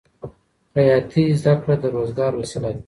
خیاطۍ زده کړه د روزګار وسیله ده.